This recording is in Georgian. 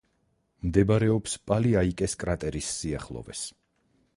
მდებარეობს პალი-აიკეს კრატერის სიახლოვეს.